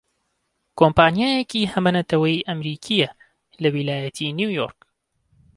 کۆمپانیایەکی هەمەنەتەوەیی ئەمریکییە لە ویلایەتی نیویۆرک